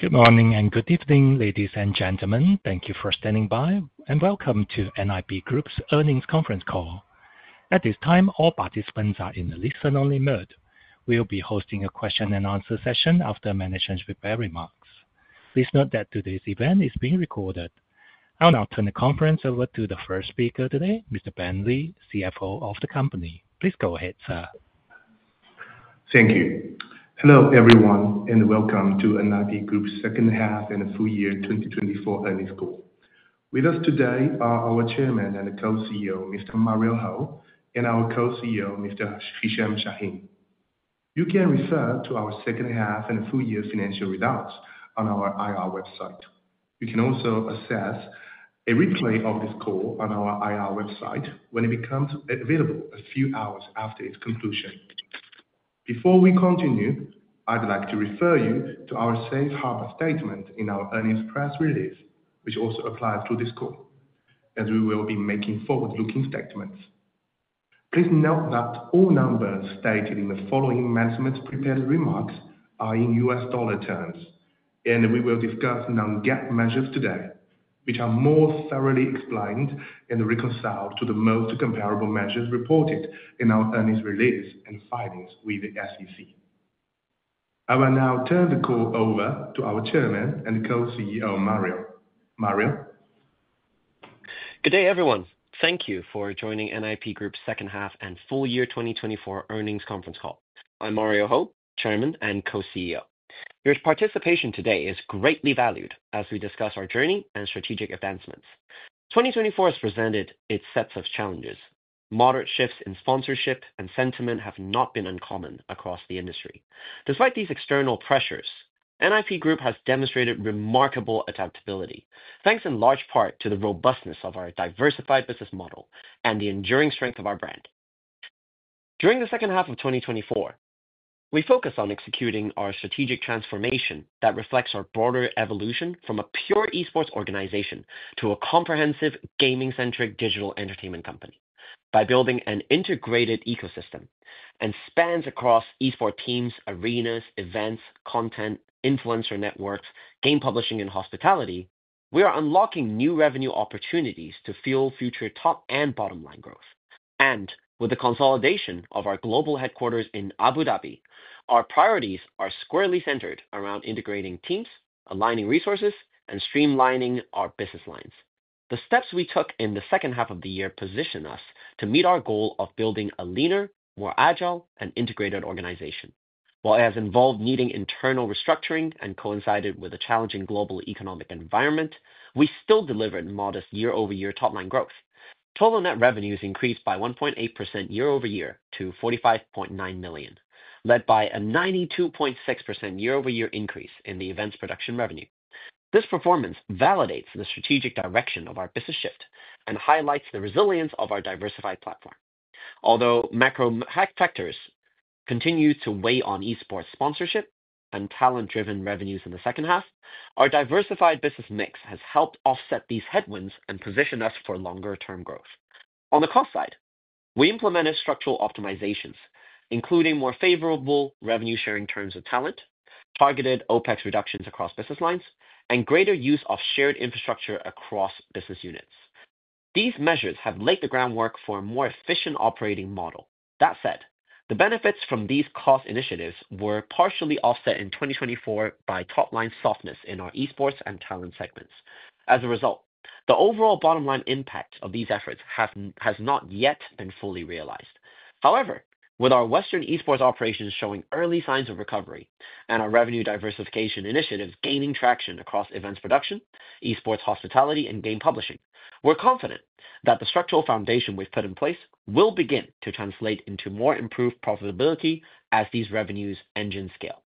Good morning and good evening, ladies and gentlemen. Thank you for standing by, and welcome to NIP Group's Earnings Conference Call. At this time, all participants are in a listen-only mode. We'll be hosting a question-and-answer session after management's prepared remarks. Please note that today's event is being recorded. I'll now turn the conference over to the first speaker today, Mr. Ben Li, CFO of the company. Please go ahead, sir. Thank you. Hello, everyone, and welcome to NIP Group's Second Half and Full Year 2024 Earnings Call. With us today are our Chairman and the Co-CEO, Mr. Mario Ho, and our Co-CEO, Mr. Hicham Chahine. You can refer to our second half and full year financial results on our IR website. You can also access a replay of this call on our IR website when it becomes available a few hours after its conclusion. Before we continue, I'd like to refer you to our safe harbor statement in our earnings press release, which also applies to this call, as we will be making forward-looking statements. Please note that all numbers stated in the following management's prepared remarks are in U.S. dollar terms, and we will discuss non-GAAP measures today, which are more thoroughly explained and reconciled to the most comparable measures reported in our earnings release and filings with the SEC. I will now turn the call over to our Chairman and co-CEO, Mario. Mario. Good day, everyone. Thank you for joining NIP Group's Second Half and Full Year 2024 Earnings Conference Call. I'm Mario Ho, Chairman and co-CEO. Your participation today is greatly valued as we discuss our journey and strategic advancements. 2024 has presented its sets of challenges. Moderate shifts in sponsorship and sentiment have not been uncommon across the industry. Despite these external pressures, NIP Group has demonstrated remarkable adaptability, thanks in large part to the robustness of our diversified business model and the enduring strength of our brand. During the second half of 2024, we focused on executing our strategic transformation that reflects our broader evolution from a pure esports organization to a comprehensive gaming-centric digital entertainment company. By building an integrated ecosystem that spans across esports teams, arenas, events, content, influencer networks, game publishing, and hospitality, we are unlocking new revenue opportunities to fuel future top and bottom line growth. With the consolidation of our global headquarters in Abu Dhabi, our priorities are squarely centered around integrating teams, aligning resources, and streamlining our business lines. The steps we took in the second half of the year position us to meet our goal of building a leaner, more agile, and integrated organization. While it has involved needing internal restructuring and coincided with a challenging global economic environment, we still delivered modest year-over-year top-line growth. Total net revenues increased by 1.8% year-over-year to $45.9 million, led by a 92.6% year-over-year increase in the events production revenue. This performance validates the strategic direction of our business shift and highlights the resilience of our diversified platform. Although macro factors continue to weigh on esports sponsorship and talent-driven revenues in the second half, our diversified business mix has helped offset these headwinds and position us for longer-term growth. On the cost side, we implemented structural optimizations, including more favorable revenue-sharing terms of talent, targeted OpEx reductions across business lines, and greater use of shared infrastructure across business units. These measures have laid the groundwork for a more efficient operating model. That said, the benefits from these cost initiatives were partially offset in 2024 by top-line softness in our esports and talent segments. As a result, the overall bottom-line impact of these efforts has not yet been fully realized. However, with our Western esports operations showing early signs of recovery and our revenue diversification initiatives gaining traction across events production, esports hospitality, and game publishing, we're confident that the structural foundation we've put in place will begin to translate into more improved profitability as these revenues engines scale.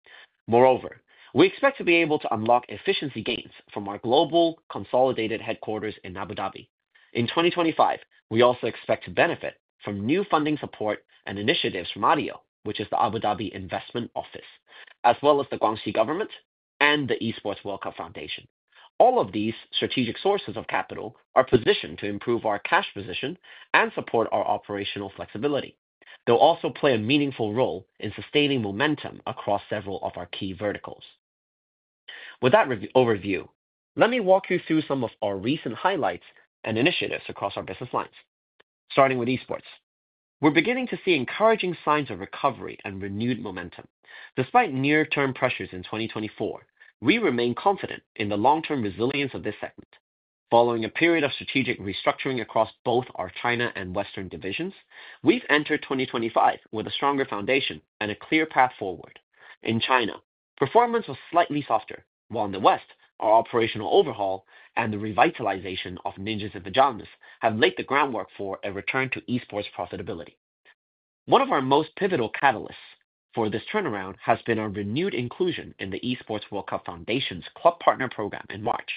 Moreover, we expect to be able to unlock efficiency gains from our global consolidated headquarters in Abu Dhabi. In 2025, we also expect to benefit from new funding support and initiatives from ADIO, which is the Abu Dhabi Investment Office, as well as the Guangxi government and the Esports World Cup Foundation. All of these strategic sources of capital are positioned to improve our cash position and support our operational flexibility. They'll also play a meaningful role in sustaining momentum across several of our key verticals. With that overview, let me walk you through some of our recent highlights and initiatives across our business lines. Starting with esports, we're beginning to see encouraging signs of recovery and renewed momentum. Despite near-term pressures in 2024, we remain confident in the long-term resilience of this segment. Following a period of strategic restructuring across both our China and Western divisions, we've entered 2025 with a stronger foundation and a clear path forward. In China, performance was slightly softer, while in the West, our operational overhaul and the revitalization of Ninjas in Pyjamas have laid the groundwork for a return to esports profitability. One of our most pivotal catalysts for this turnaround has been our renewed inclusion in the Esports World Cup Foundation's Club Partner Program in March,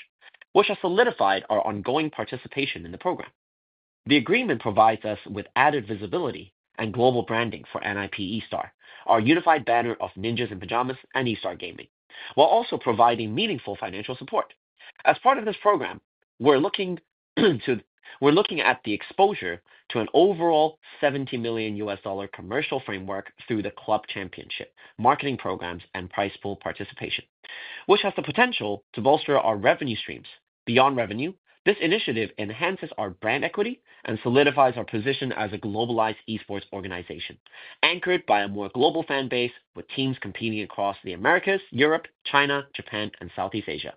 which has solidified our ongoing participation in the program. The agreement provides us with added visibility and global branding for NIP eStar, our unified banner of Ninjas in Pyjamas and eStar Gaming, while also providing meaningful financial support. As part of this program, we're looking at the exposure to an overall $70 million commercial framework through the club championship, marketing programs, and prize pool participation, which has the potential to bolster our revenue streams. Beyond revenue, this initiative enhances our brand equity and solidifies our position as a globalized esports organization, anchored by a more global fan base with teams competing across the Americas, Europe, China, Japan, and Southeast Asia.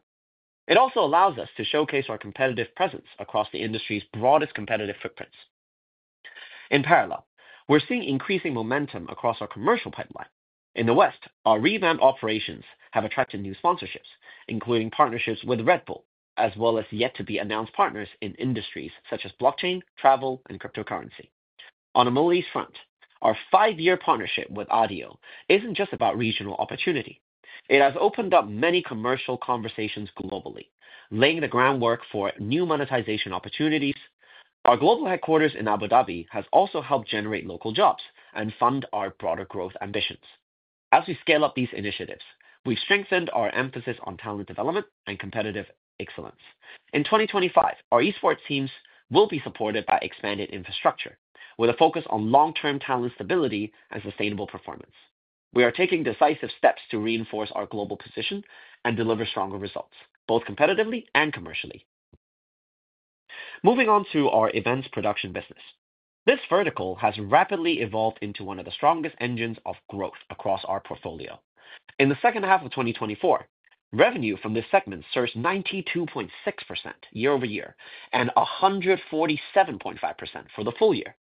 It also allows us to showcase our competitive presence across the industry's broadest competitive footprints. In parallel, we're seeing increasing momentum across our commercial pipeline. In the West, our revamped operations have attracted new sponsorships, including partnerships with Red Bull, as well as yet-to-be-announced partners in industries such as blockchain, travel, and cryptocurrency. On Abu Dhabi's front, our five-year partnership with ADIO isn't just about regional opportunity. It has opened up many commercial conversations globally, laying the groundwork for new monetization opportunities. Our global headquarters in Abu Dhabi has also helped generate local jobs and fund our broader growth ambitions. As we scale up these initiatives, we've strengthened our emphasis on talent development and competitive excellence. In 2025, our esports teams will be supported by expanded infrastructure, with a focus on long-term talent stability and sustainable performance. We are taking decisive steps to reinforce our global position and deliver stronger results, both competitively and commercially. Moving on to our events production business, this vertical has rapidly evolved into one of the strongest engines of growth across our portfolio. In the second half of 2024, revenue from this segment surged 92.6% year-over-year and 147.5% for the full year.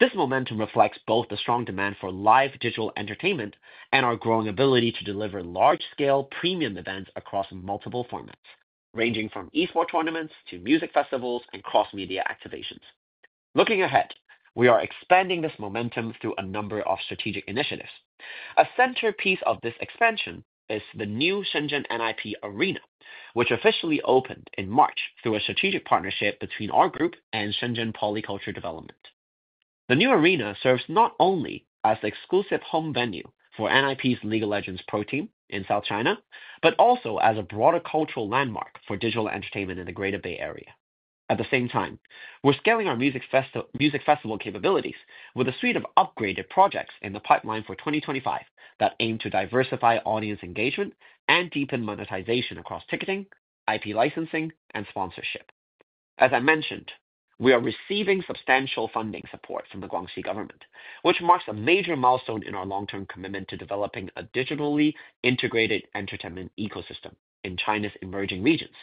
This momentum reflects both the strong demand for live digital entertainment and our growing ability to deliver large-scale premium events across multiple formats, ranging from esports tournaments to music festivals and cross-media activations. Looking ahead, we are expanding this momentum through a number of strategic initiatives. A centerpiece of this expansion is the new Shenzhen NIP Arena, which officially opened in March through a strategic partnership between our group and Shenzhen Poly Culture Development. The new arena serves not only as the exclusive home venue for NIP's League of Legends Pro Team in South China, but also as a broader cultural landmark for digital entertainment in the Greater Bay Area. At the same time, we're scaling our music festival capabilities with a suite of upgraded projects in the pipeline for 2025 that aim to diversify audience engagement and deepen monetization across ticketing, IP licensing, and sponsorship. As I mentioned, we are receiving substantial funding support from the Guangxi government, which marks a major milestone in our long-term commitment to developing a digitally integrated entertainment ecosystem in China's emerging regions.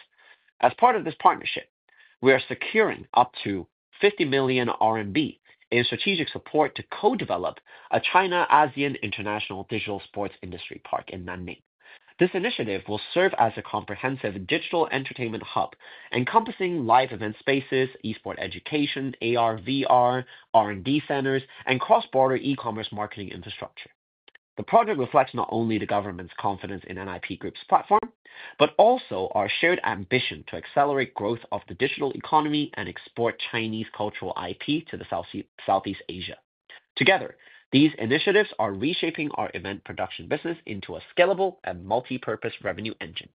As part of this partnership, we are securing up to 50 million RMB in strategic support to co-develop a China-ASEAN International Digital Sports Industry park in Nanning. This initiative will serve as a comprehensive digital entertainment hub, encompassing live event spaces, esports education, AR, VR, R&D centers, and cross-border e-commerce marketing infrastructure. The project reflects not only the government's confidence in NIP Group's platform, but also our shared ambition to accelerate growth of the digital economy and export Chinese cultural IP to Southeast Asia. Together, these initiatives are reshaping our event production business into a scalable and multi-purpose revenue engine.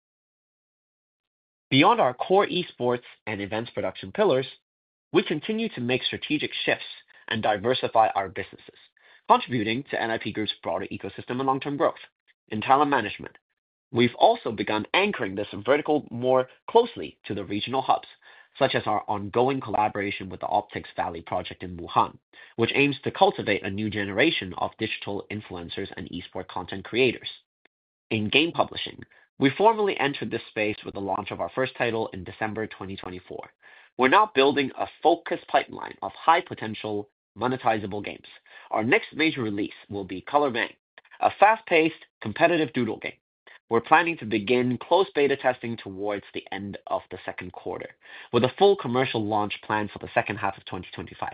Beyond our core esports and events production pillars, we continue to make strategic shifts and diversify our businesses, contributing to NIP Group's broader ecosystem and long-term growth. In talent management, we've also begun anchoring this vertical more closely to the regional hubs, such as our ongoing collaboration with the Optics Valley project in Wuhan, which aims to cultivate a new generation of digital influencers and esports content creators. In game publishing, we formally entered this space with the launch of our first title in December 2024. We're now building a focused pipeline of high-potential, monetizable games. Our next major release will be ColorBANG, a fast-paced, competitive doodle game. We're planning to begin closed beta testing towards the end of the second quarter, with a full commercial launch planned for the second half of 2025.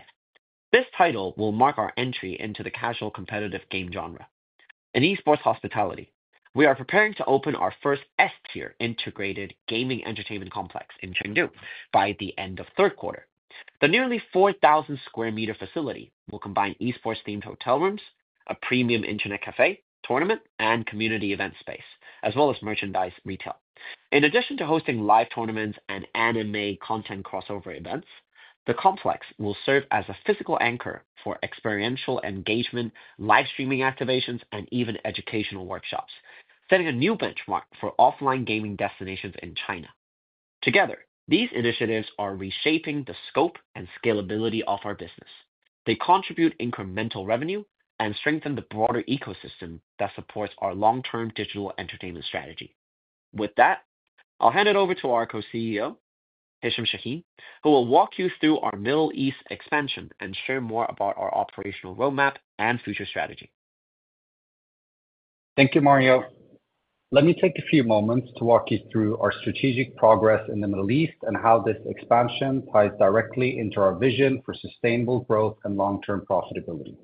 This title will mark our entry into the casual competitive game genre. In esports hospitality, we are preparing to open our first S-tier integrated gaming entertainment complex in Chengdu by the end of the third quarter. The nearly 4,000 sq m facility will combine esports-themed hotel rooms, a premium internet café, tournament and community event space, as well as merchandise retail. In addition to hosting live tournaments and anime content crossover events, the complex will serve as a physical anchor for experiential engagement, live streaming activations, and even educational workshops, setting a new benchmark for offline gaming destinations in China. Together, these initiatives are reshaping the scope and scalability of our business. They contribute incremental revenue and strengthen the broader ecosystem that supports our long-term digital entertainment strategy. With that, I'll hand it over to our Co-CEO, Hicham Chahine, who will walk you through our Middle East expansion and share more about our operational roadmap and future strategy. Thank you, Mario. Let me take a few moments to walk you through our strategic progress in the Middle East and how this expansion ties directly into our vision for sustainable growth and long-term profitability.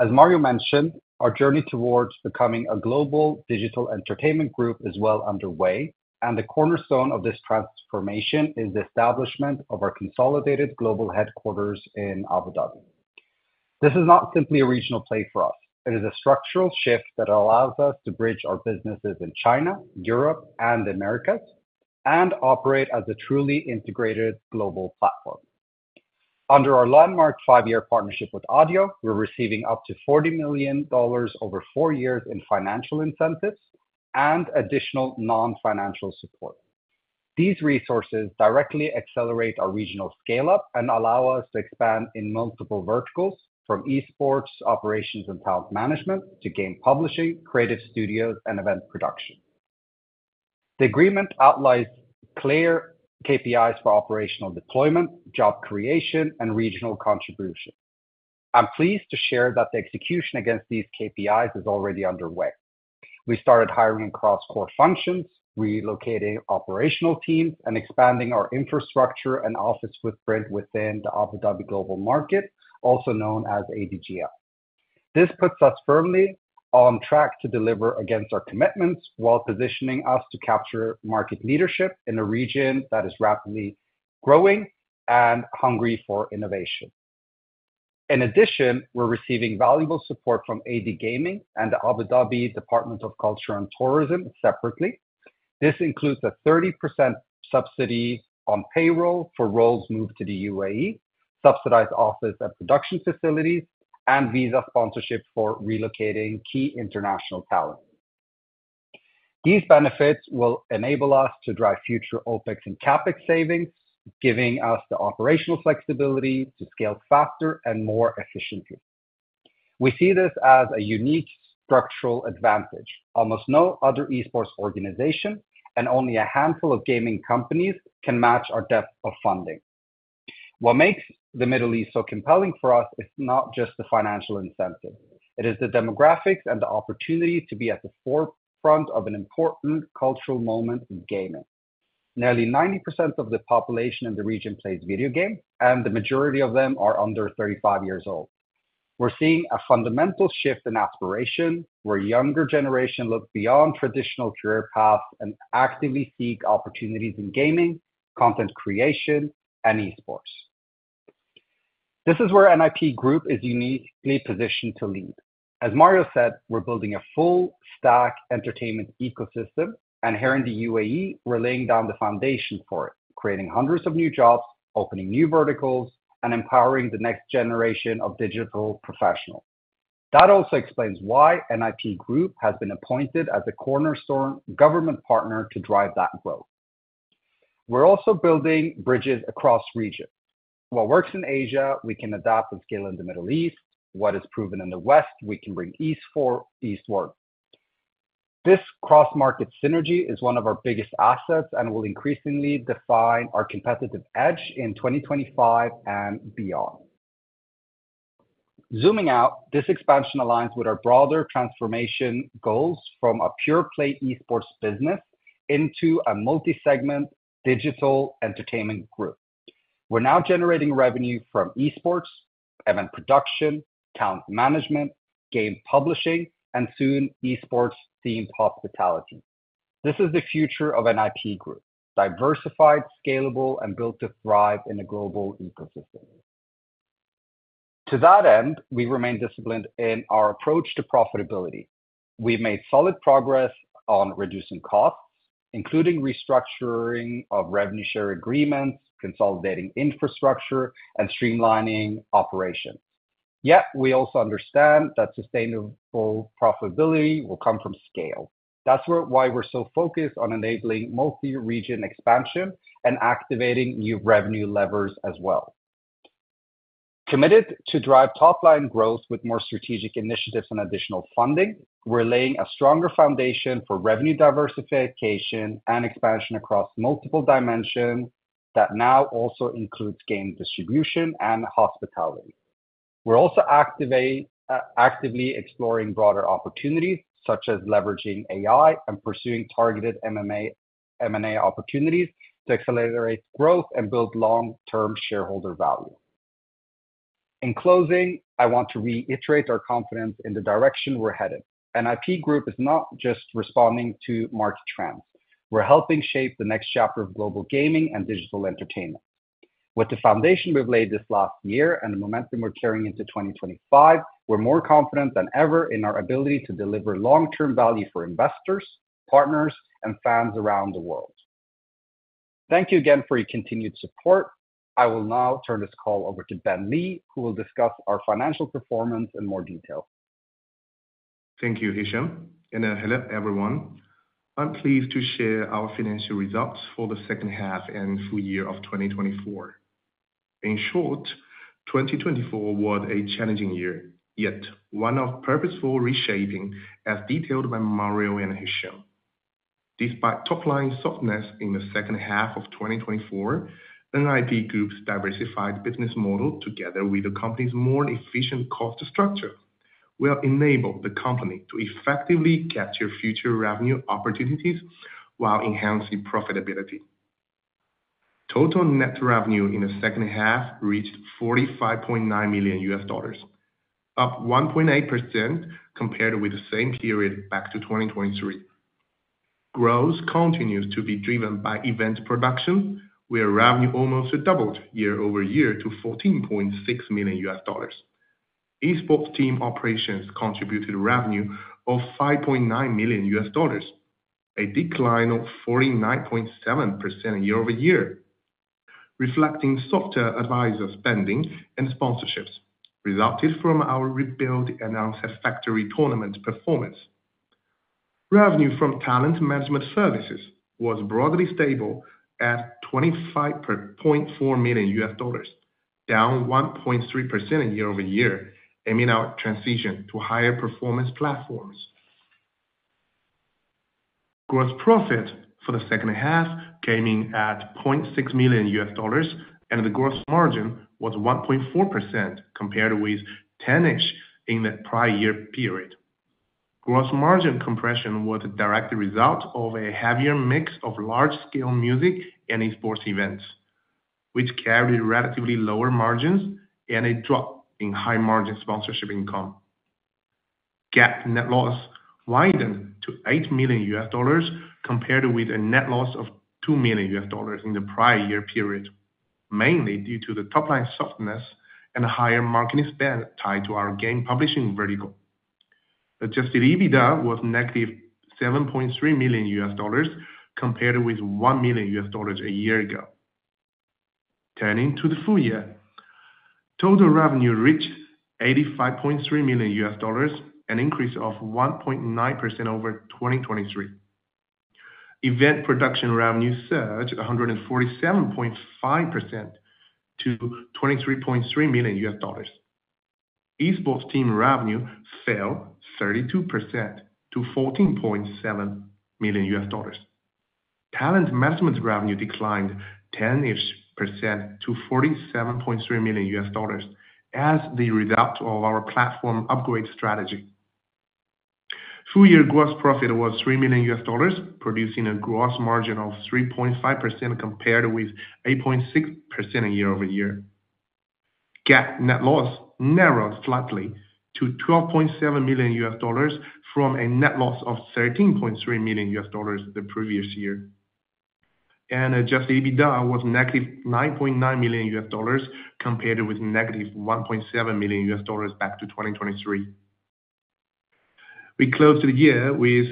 As Mario mentioned, our journey towards becoming a global digital entertainment group is well underway, and the cornerstone of this transformation is the establishment of our consolidated global headquarters in Abu Dhabi. This is not simply a regional play for us. It is a structural shift that allows us to bridge our businesses in China, Europe, and the Americas, and operate as a truly integrated global platform. Under our landmark five-year partnership with ADIO, we're receiving up to $40 million over four years in financial incentives and additional non-financial support. These resources directly accelerate our regional scale-up and allow us to expand in multiple verticals, from esports operations and talent management to game publishing, creative studios, and event production. The agreement outlines clear KPIs for operational deployment, job creation, and regional contribution. I'm pleased to share that the execution against these KPIs is already underway. We started hiring across core functions, relocating operational teams, and expanding our infrastructure and office footprint within the Abu Dhabi Global Market, also known as ADGM. This puts us firmly on track to deliver against our commitments while positioning us to capture market leadership in a region that is rapidly growing and hungry for innovation. In addition, we're receiving valuable support from AD Gaming and the Abu Dhabi Department of Culture and Tourism separately. This includes a 30% subsidy on payroll for roles moved to the U.A.E., subsidized office and production facilities, and visa sponsorship for relocating key international talent. These benefits will enable us to drive future OpEx and CapEx savings, giving us the operational flexibility to scale faster and more efficiently. We see this as a unique structural advantage. Almost no other esports organization and only a handful of gaming companies can match our depth of funding. What makes the Middle East so compelling for us is not just the financial incentive. It is the demographics and the opportunity to be at the forefront of an important cultural moment in gaming. Nearly 90% of the population in the region plays video games, and the majority of them are under 35 years old. We're seeing a fundamental shift in aspiration, where younger generations look beyond traditional career paths and actively seek opportunities in gaming, content creation, and esports. This is where NIP Group is uniquely positioned to lead. As Mario said, we're building a full-stack entertainment ecosystem, and here in the U.A.E., we're laying down the foundation for it, creating hundreds of new jobs, opening new verticals, and empowering the next generation of digital professionals. That also explains why NIP Group has been appointed as a cornerstone government partner to drive that growth. We're also building bridges across regions. What works in Asia, we can adapt and scale in the Middle East. What is proven in the West, we can bring east for eastward. This cross-market synergy is one of our biggest assets and will increasingly define our competitive edge in 2025 and beyond. Zooming out, this expansion aligns with our broader transformation goals from a pure-play esports business into a multi-segment digital entertainment group. We're now generating revenue from esports, event production, talent management, game publishing, and soon esports-themed hospitality. This is the future of NIP Group: diversified, scalable, and built to thrive in a global ecosystem. To that end, we remain disciplined in our approach to profitability. We've made solid progress on reducing costs, including restructuring of revenue share agreements, consolidating infrastructure, and streamlining operations. Yet, we also understand that sustainable profitability will come from scale. That's why we're so focused on enabling multi-region expansion and activating new revenue levers as well. Committed to drive top-line growth with more strategic initiatives and additional funding, we're laying a stronger foundation for revenue diversification and expansion across multiple dimensions that now also includes game distribution and hospitality. We're also actively exploring broader opportunities, such as leveraging AI and pursuing targeted M&A opportunities to accelerate growth and build long-term shareholder value. In closing, I want to reiterate our confidence in the direction we're headed. NIP Group is not just responding to market trends. We're helping shape the next chapter of global gaming and digital entertainment. With the foundation we've laid this last year and the momentum we're carrying into 2025, we're more confident than ever in our ability to deliver long-term value for investors, partners, and fans around the world. Thank you again for your continued support. I will now turn this call over to Ben Li, who will discuss our financial performance in more detail. Thank you, Hicham. Hello, everyone. I'm pleased to share our financial results for the second half and full year of 2024. In short, 2024 was a challenging year, yet one of purposeful reshaping, as detailed by Mario and Hicham. Despite top-line softness in the second half of 2024, NIP Group's diversified business model, together with the company's more efficient cost structure, will enable the company to effectively capture future revenue opportunities while enhancing profitability. Total net revenue in the second half reached $45.9 million, up 1.8% compared with the same period back to 2023. Growth continues to be driven by event production, where revenue almost doubled year-over-year to $14.6 million. Esports team operations contributed revenue of $5.9 million, a decline of 49.7% year-over-year, reflecting softer advertiser spending and sponsorships resulting from our rebuilt and unsafe factory tournament performance. Revenue from talent management services was broadly stable at $25.4 million US dollars, down 1.3% year-over-year, aiming our transition to higher performance platforms. Gross profit for the second half came in at $0.6 million US dollars, and the gross margin was 1.4% compared with 10% in the prior-year period. Gross margin compression was a direct result of a heavier mix of large-scale music and esports events, which carried relatively lower margins and a drop in high-margin sponsorship income. GAAP net loss widened to $8 million US dollars compared with a net loss of $2 million US dollars in the prior-year period, mainly due to the top-line softness and higher marketing spend tied to our game publishing vertical. Adjusted EBITDA was negative $7.3 million US dollars compared with $1 million US dollars a year ago. Turning to the full year, total revenue reached $85.3 million, an increase of 1.9% over 2023. Event production revenue surged 147.5% to $23.3 million. Esports team revenue fell 32% to $14.7 million. Talent management revenue declined 10% to $47.3 million as the result of our platform upgrade strategy. Full-year gross profit was $3 million, producing a gross margin of 3.5% compared with 8.6% year-over-year. GAAP net loss narrowed slightly to $12.7 million from a net loss of $13.3 million the previous year. Adjusted EBITDA was negative $9.9 million compared with negative $1.7 million back to 2023. We closed the year with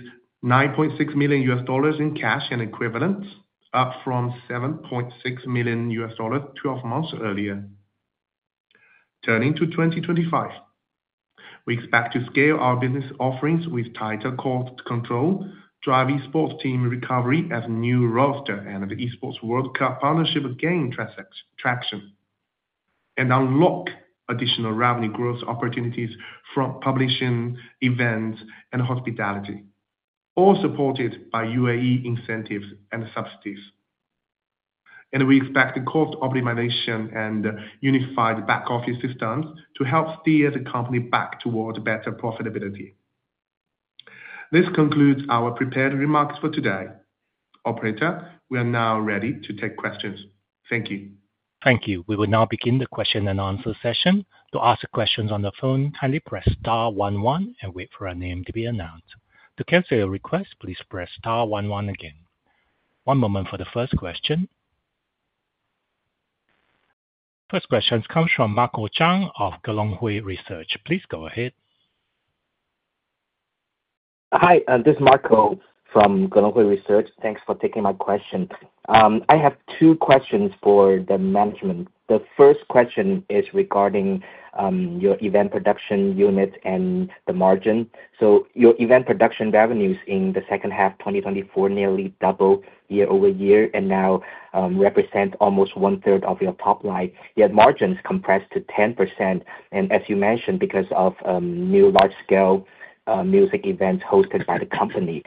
$9.6 million in cash and equivalents, up from $7.6 million 12 months earlier. Turning to 2025, we expect to scale our business offerings with tighter cost control, drive esports team recovery as a new roster, and the Esports World Cup partnership gain traction, and unlock additional revenue growth opportunities from publishing events and hospitality, all supported by U.A.E. incentives and subsidies. We expect the cost optimization and unified back-office systems to help steer the company back toward better profitability. This concludes our prepared remarks for today. Operator, we are now ready to take questions. Thank you. Thank you. We will now begin the question-and-answer session. To ask questions on the phone, kindly press star one, one and wait for a name to be announced. To cancel your request, please press star one, one again. One moment for the first question. First question comes from Marco Zhang of Gelonghui Research. Please go ahead. Hi, this is Marco from Gelonghui Research. Thanks for taking my question. I have two questions for the management. The first question is regarding your event production unit and the margin. Your event production revenues in the second half of 2024 nearly doubled year-over-year and now represent almost one-third of your top line. Yet margins compressed to 10%, as you mentioned, because of new large-scale music events hosted by the company.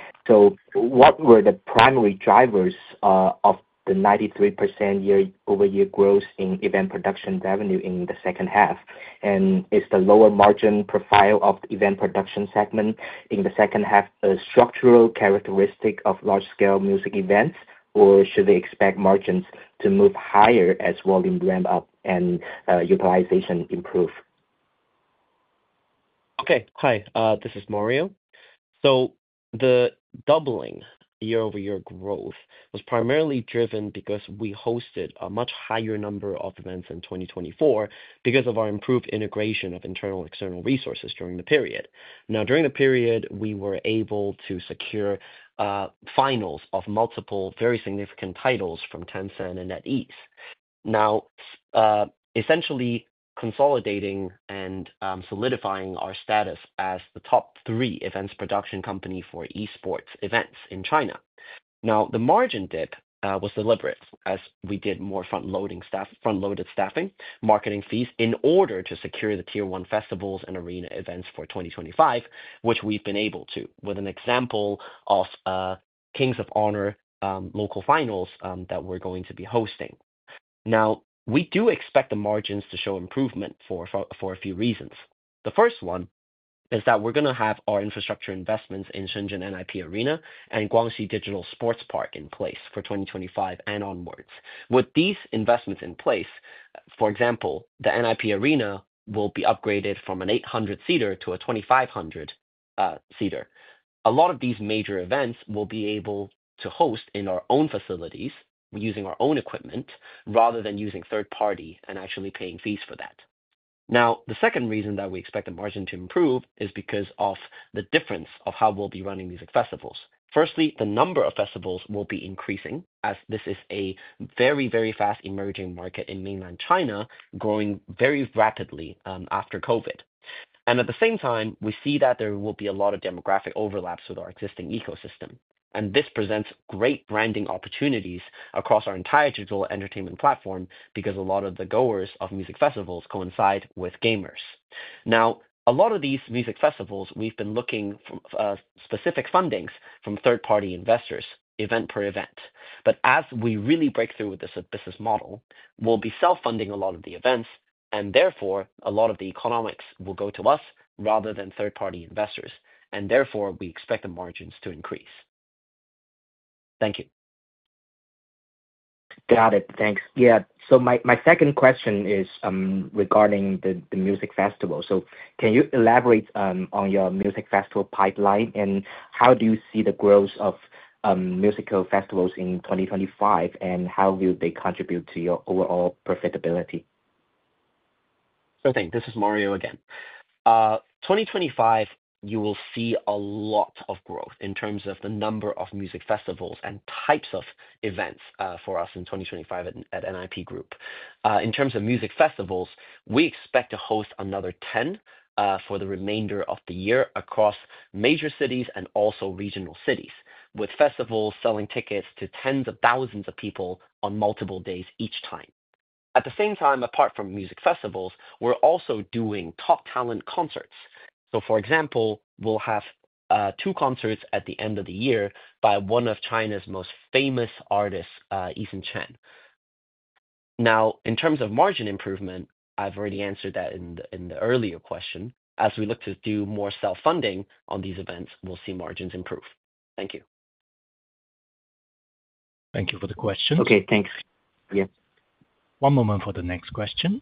What were the primary drivers of the 93% year-over-year growth in event production revenue in the second half? Is the lower margin profile of the event production segment in the second half a structural characteristic of large-scale music events, or should we expect margins to move higher as volume ramp up and utilization improve? Okay. Hi, this is Mario. The doubling year-over-year growth was primarily driven because we hosted a much higher number of events in 2024 because of our improved integration of internal and external resources during the period. Now, during the period, we were able to secure finals of multiple very significant titles from Tencent and NetEase. Now, essentially consolidating and solidifying our status as the top three events production company for esports events in China. The margin dip was deliberate as we did more front-loaded staffing, marketing fees in order to secure the tier-one festivals and arena events for 2025, which we've been able to with an example of Kings of Honor local finals that we're going to be hosting. We do expect the margins to show improvement for a few reasons. The first one is that we're going to have our infrastructure investments in Shenzhen NIP Arena and Guangxi Digital Sports Park in place for 2025 and onwards. With these investments in place, for example, the NIP Arena will be upgraded from an 800-seater to a 2,500-seater. A lot of these major events will be able to host in our own facilities using our own equipment rather than using third-party and actually paying fees for that. The second reason that we expect the margin to improve is because of the difference of how we'll be running these festivals. Firstly, the number of festivals will be increasing as this is a very, very fast-emerging market in mainland China, growing very rapidly after COVID. At the same time, we see that there will be a lot of demographic overlaps with our existing ecosystem. This presents great branding opportunities across our entire digital entertainment platform because a lot of the goers of music festivals coincide with gamers. A lot of these music festivals, we've been looking for specific fundings from third-party investors event per event. As we really break through with this business model, we'll be self-funding a lot of the events, and therefore, a lot of the economics will go to us rather than third-party investors. Therefore, we expect the margins to increase. Thank you. Got it. Thanks. Yeah. My second question is regarding the music festival. Can you elaborate on your music festival pipeline and how do you see the growth of musical festivals in 2025, and how will they contribute to your overall profitability? Sure thing. This is Mario again. 2025, you will see a lot of growth in terms of the number of music festivals and types of events for us in 2025 at NIP Group. In terms of music festivals, we expect to host another 10 for the remainder of the year across major cities and also regional cities, with festivals selling tickets to tens of thousands of people on multiple days each time. At the same time, apart from music festivals, we're also doing top talent concerts. For example, we'll have two concerts at the end of the year by one of China's most famous artists, Ethan Chen. Now, in terms of margin improvement, I've already answered that in the earlier question. As we look to do more self-funding on these events, we'll see margins improve. Thank you. Thank you for the question. Okay, thanks. One moment for the next question.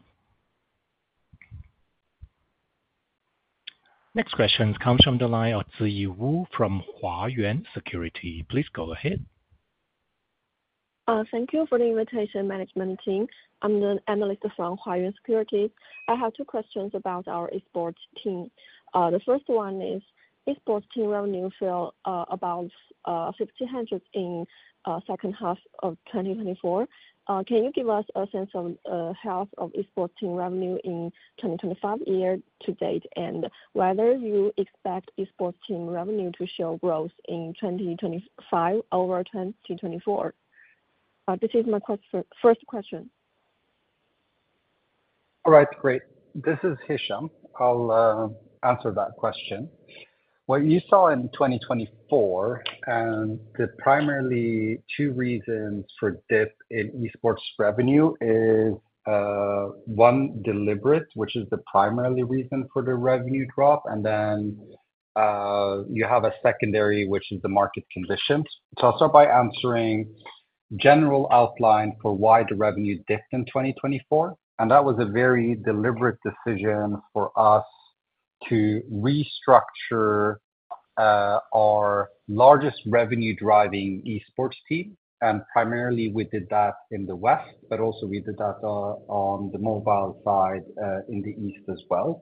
Next question comes from Delai Ziyi Wu from Huayuan Security. Please go ahead. Thank you for the invitation, management team. I'm an analyst from Huayuan Security. I have two questions about our esports team. The first one is esports team revenue fell about 1 in the second half of 2024. Can you give us a sense of the health of esports team revenue in the 2025 year to date and whether you expect esports team revenue to show growth in 2025 over 2024? This is my first question. All right, great. This is Hicham. I'll answer that question. What you saw in 2024, and the primarily two reasons for dip in esports revenue is, one, deliberate, which is the primary reason for the revenue drop, and then you have a secondary, which is the market conditions. I will start by answering general outline for why the revenue dipped in 2024. That was a very deliberate decision for us to restructure our largest revenue-driving esports team. Primarily, we did that in the West, but also we did that on the mobile side in the East as well.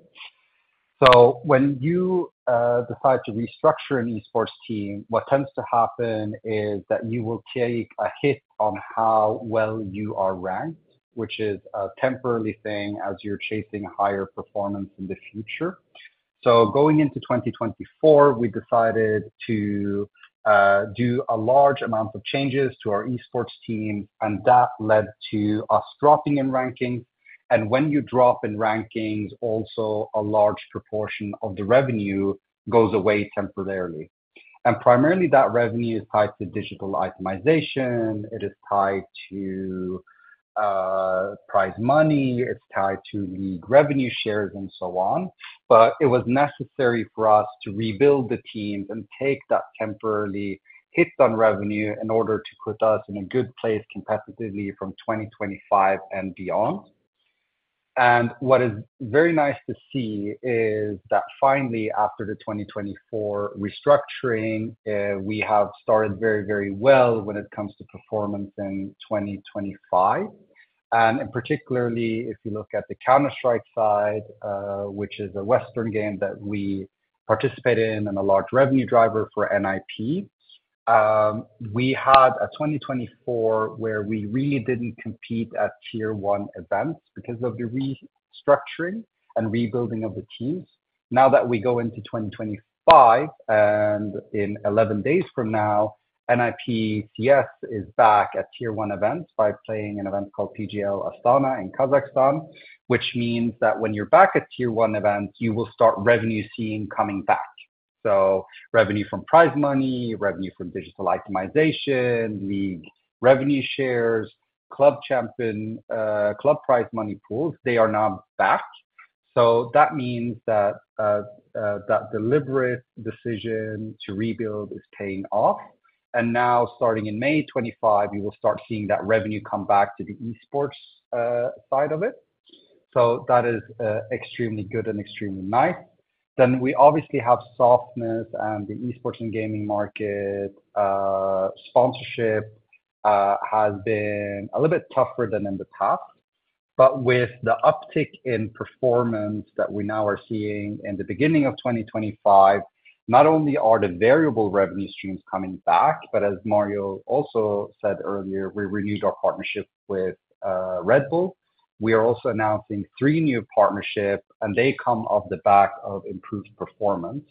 When you decide to restructure an esports team, what tends to happen is that you will take a hit on how well you are ranked, which is a temporary thing as you're chasing higher performance in the future. Going into 2024, we decided to do a large amount of changes to our esports teams, and that led to us dropping in rankings. When you drop in rankings, also a large proportion of the revenue goes away temporarily. Primarily, that revenue is tied to digital itemization. It is tied to prize money. It is tied to league revenue shares and so on. It was necessary for us to rebuild the teams and take that temporary hit on revenue in order to put us in a good place competitively from 2025 and beyond. What is very nice to see is that finally, after the 2024 restructuring, we have started very, very well when it comes to performance in 2025. Particularly, if you look at the Counter-Strike side, which is a Western game that we participate in and a large revenue driver for NIP, we had a 2024 where we really did not compete at tier-one events because of the restructuring and rebuilding of the teams. Now that we go into 2025 and in 11 days from now, NIPCS is back at tier-one events by playing an event called PGL Astana in Kazakhstan, which means that when you are back at tier-one events, you will start revenue seeing coming back. Revenue from prize money, revenue from digital itemization, league revenue shares, club champion, club prize money pools, they are now back. That means that that deliberate decision to rebuild is paying off. Now, starting in May 25, you will start seeing that revenue come back to the esports side of it. That is extremely good and extremely nice. We obviously have softness, and the esports and gaming market sponsorship has been a little bit tougher than in the past. With the uptick in performance that we now are seeing in the beginning of 2025, not only are the variable revenue streams coming back, but as Mario also said earlier, we renewed our partnership with Red Bull. We are also announcing three new partnerships, and they come off the back of improved performance.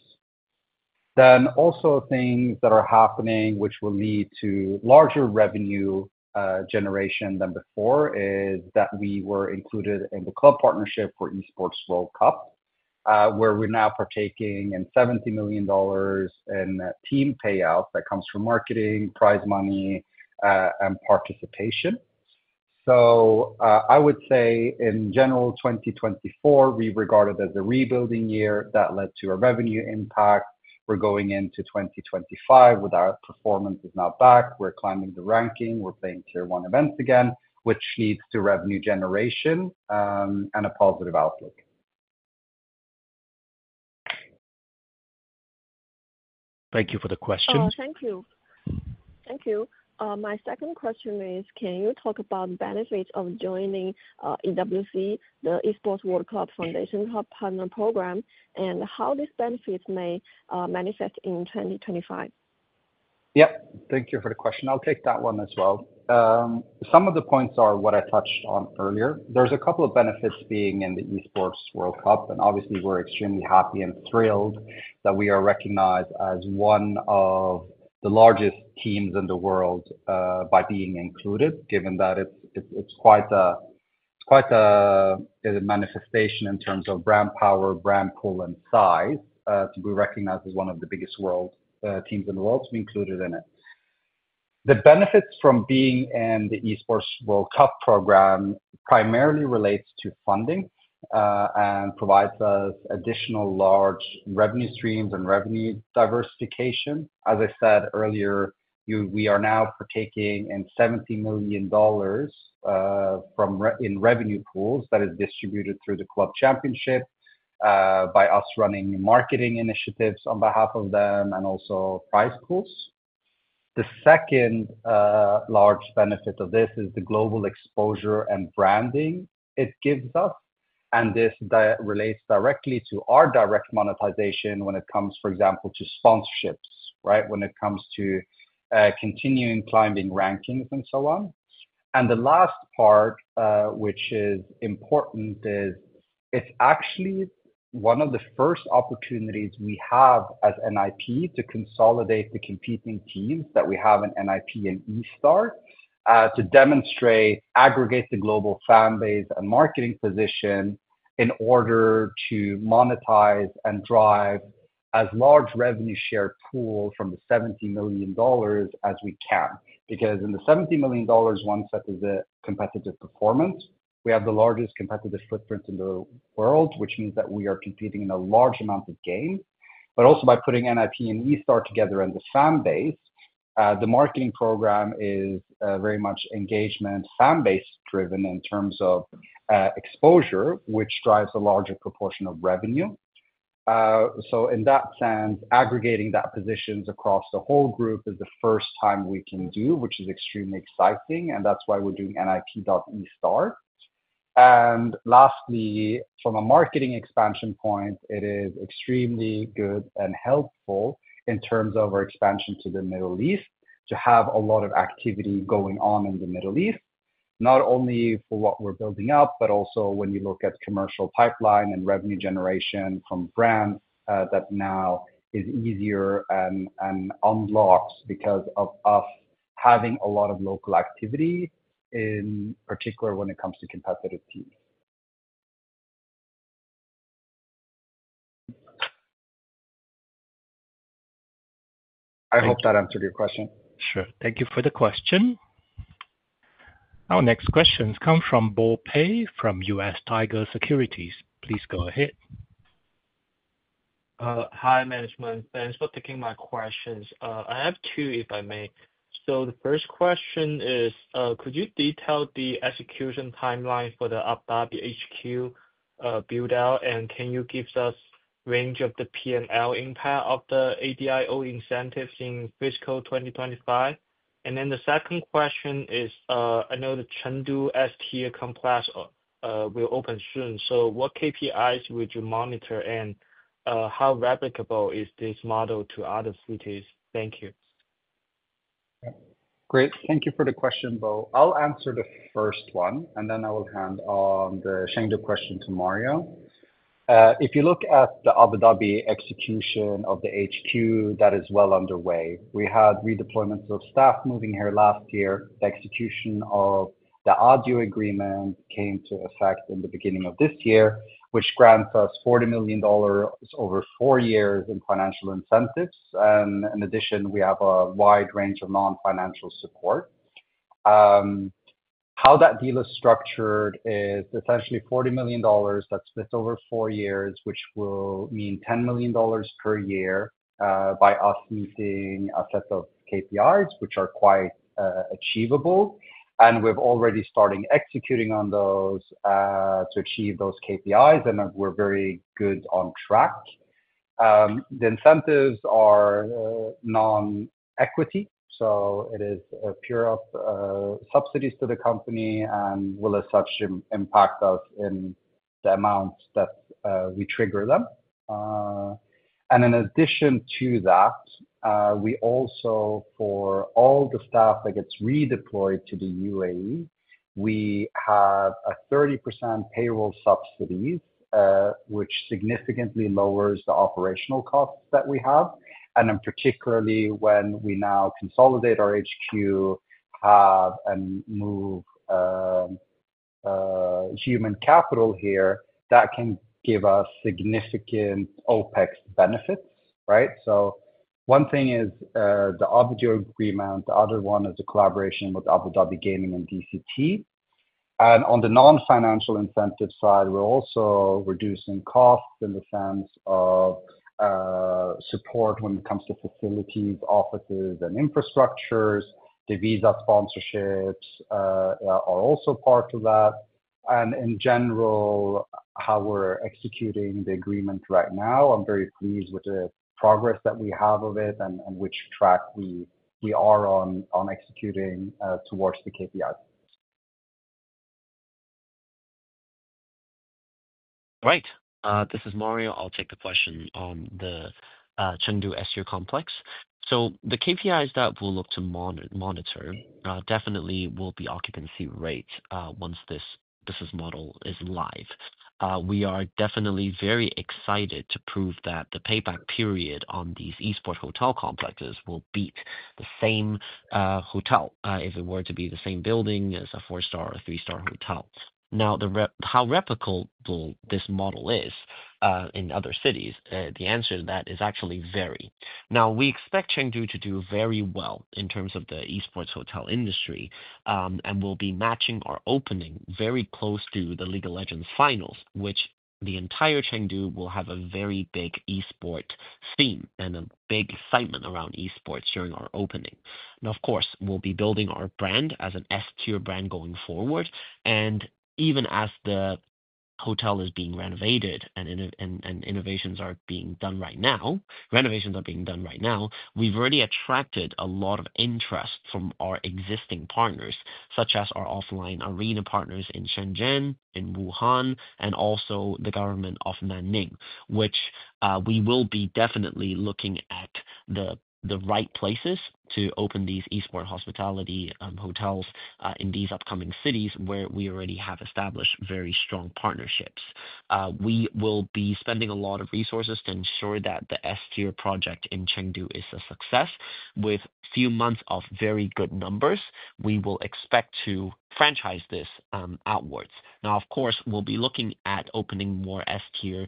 Also, things that are happening, which will lead to larger revenue generation than before, is that we were included in the club partnership for Esports World Cup, where we're now partaking in $70 million in team payouts that comes from marketing, prize money, and participation. I would say, in general, 2024, we regard it as a rebuilding year that led to a revenue impact. We're going into 2025 with our performance is now back. We're climbing the ranking. We're playing tier-one events again, which leads to revenue generation and a positive outlook. Thank you for the question. Oh, thank you. Thank you. My second question is, can you talk about the benefits of joining EWC, the Esports World Cup Foundation Club partner program, and how these benefits may manifest in 2025? Yep. Thank you for the question. I'll take that one as well. Some of the points are what I touched on earlier. There's a couple of benefits being in the Esports World Cup. Obviously, we're extremely happy and thrilled that we are recognized as one of the largest teams in the world by being included, given that it's quite a manifestation in terms of brand power, brand pool, and size to be recognized as one of the biggest world teams in the world to be included in it. The benefits from being in the Esports World Cup program primarily relate to funding and provide us additional large revenue streams and revenue diversification. As I said earlier, we are now partaking in $70 million in revenue pools that are distributed through the club championship by us running marketing initiatives on behalf of them and also prize pools. The second large benefit of this is the global exposure and branding it gives us. This relates directly to our direct monetization when it comes, for example, to sponsorships, right, when it comes to continuing climbing rankings and so on. The last part, which is important, is it's actually one of the first opportunities we have as NIP to consolidate the competing teams that we have in NIP and eStar to demonstrate, aggregate the global fan base and marketing position in order to monetize and drive as large revenue share pool from the $70 million as we can. Because in the $70 million, one sets as a competitive performance. We have the largest competitive footprint in the world, which means that we are competing in a large amount of games. Also, by putting NIP and eStar together and the fan base, the marketing program is very much engagement fan base driven in terms of exposure, which drives a larger proportion of revenue. In that sense, aggregating that positions across the whole group is the first time we can do, which is extremely exciting. That is why we are doing NIP.eStar. Lastly, from a marketing expansion point, it is extremely good and helpful in terms of our expansion to the Middle East to have a lot of activity going on in the Middle East, not only for what we are building up, but also when you look at commercial pipeline and revenue generation from brands that now is easier and unlocks because of us having a lot of local activity, in particular when it comes to competitive teams. I hope that answered your question. Sure. Thank you for the question. Our next questions come from Bo Pei from US Tiger Securities. Please go ahead. Hi, management. Thanks for taking my questions. I have two, if I may. The first question is, could you detail the execution timeline for the Abu Dhabi HQ buildout, and can you give us a range of the P&L impact of the ADIO incentives in fiscal 2025? The second question is, I know the Chengdu S-TA complex will open soon. What KPIs would you monitor, and how replicable is this model to other cities? Thank you. Great. Thank you for the question, Bo. I'll answer the first one, and then I will hand on the Chengdu question to Mario. If you look at the Abu Dhabi execution of the HQ, that is well underway. We had redeployments of staff moving here last year. The execution of the ADIO Agreement came to effect in the beginning of this year, which grants us $40 million over four years in financial incentives. In addition, we have a wide range of non-financial support. How that deal is structured is essentially $40 million that splits over four years, which will mean $10 million per year by us meeting a set of KPIs, which are quite achievable. We're already starting executing on those to achieve those KPIs, and we're very good on track. The incentives are non-equity, so it is a pure-up subsidies to the company and will as such impact us in the amount that we trigger them. In addition to that, we also, for all the staff that gets redeployed to the U.A.E., we have a 30% payroll subsidies, which significantly lowers the operational costs that we have. Particularly when we now consolidate our HQ and move human capital here, that can give us significant OpEx benefits, right? One thing is the Abuja Agreement. The other one is the collaboration with Abu Dhabi Gaming and DCT. On the non-financial incentive side, we are also reducing costs in the sense of support when it comes to facilities, offices, and infrastructures. The visa sponsorships are also part of that. In general, how we're executing the agreement right now, I'm very pleased with the progress that we have of it and which track we are on executing towards the KPIs. Great. This is Mario. I'll take the question on the Chengdu S-Tier complex. The KPIs that we'll look to monitor definitely will be occupancy rates once this business model is live. We are definitely very excited to prove that the payback period on these esports hotel complexes will beat the same hotel if it were to be the same building as a four-star or three-star hotel. Now, how replicable this model is in other cities, the answer to that is actually very. We expect Chengdu to do very well in terms of the esports hotel industry and will be matching our opening very close to the League of Legends finals, which the entire Chengdu will have a very big esports theme and a big excitement around esports during our opening. Of course, we'll be building our brand as an S-Tier brand going forward. Even as the hotel is being renovated and innovations are being done right now, renovations are being done right now, we've already attracted a lot of interest from our existing partners, such as our offline arena partners in Shenzhen, in Wuhan, and also the government of Nanning, which we will be definitely looking at the right places to open these esports hospitality hotels in these upcoming cities where we already have established very strong partnerships. We will be spending a lot of resources to ensure that the S-Tier project in Chengdu is a success. With a few months of very good numbers, we will expect to franchise this outwards. Now, of course, we'll be looking at opening more S-Tier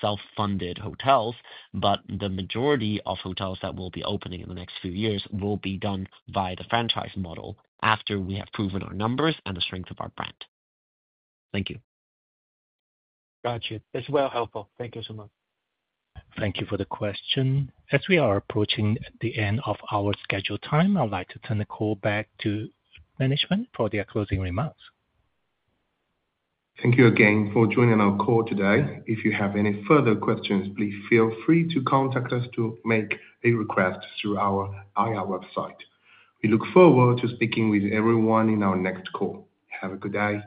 self-funded hotels, but the majority of hotels that we'll be opening in the next few years will be done by the franchise model after we have proven our numbers and the strength of our brand. Thank you. Gotcha. That's well helpful. Thank you so much. Thank you for the question. As we are approaching the end of our scheduled time, I'd like to turn the call back to management for their closing remarks. Thank you again for joining our call today. If you have any further questions, please feel free to contact us to make a request through our IR website. We look forward to speaking with everyone in our next call. Have a good day.